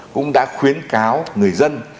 cũng đã khuyến cáo người dân